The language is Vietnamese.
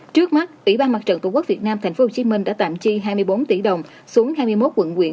trước mắt ủy ban mặt trận tổ quốc việt nam tp hcm đã tạm chi hai mươi bốn tỷ đồng xuống hai mươi một quận quyện